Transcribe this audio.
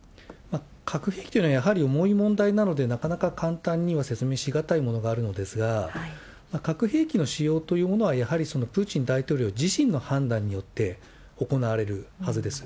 核兵器というのはやはり重い問題なので、なかなか簡単には説明しがたいものがあるのですが、核兵器の使用というものはやはりプーチン大統領自身の判断によって行われるはずです。